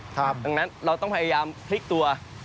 ดังนั้นเราต้องพยายามพลิกตัว